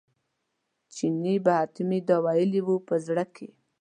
چیني به حتمي دا ویلي وي په زړه کې.